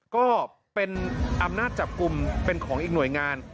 ก็เป็นอำนาจจับกลุ่มเป็นของอีกหน่วยงาน